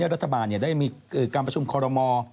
นี่รัฐบาลได้มีการประชุมคอลโรมอร์